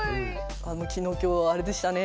「あの昨日今日あれでしたね」